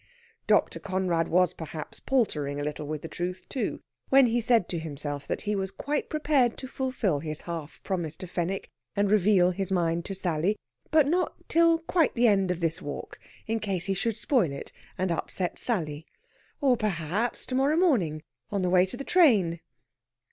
Dr. Conrad was perhaps paltering a little with the truth, too, when he said to himself that he was quite prepared to fulfil his half promise to Fenwick and reveal his mind to Sally; but not till quite the end of this walk, in case he should spoil it, and upset Sally. Or, perhaps, to morrow morning, on the way to the train.